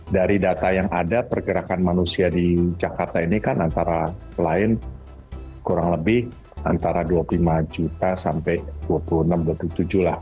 dari data yang ada pergerakan manusia di jakarta ini kan antara lain kurang lebih antara dua puluh lima juta sampai dua puluh enam dua puluh tujuh lah